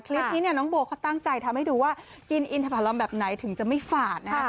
คลิปนี้เนี่ยน้องโบเขาตั้งใจทำให้ดูว่ากินอินทภารำแบบไหนถึงจะไม่ฝาดนะฮะ